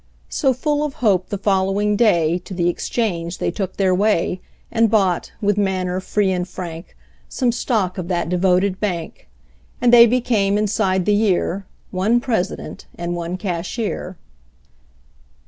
So, full of hope, the following day To the exchange they took their way And bought, with manner free and frank, Some stock of that devoted bank; And they became, inside the year, One President and one Cashier.